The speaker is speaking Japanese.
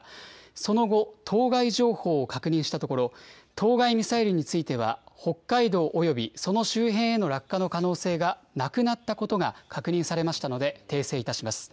その後、当該情報を確認したところ、当該ミサイルについては、北海道およびその周辺への落下の可能性がなくなったことが確認されましたので、訂正いたします。